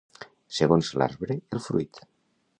Segons l'arbre, el fruit.